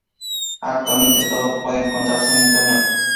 Actualmente todo puede encontrarse en Internet.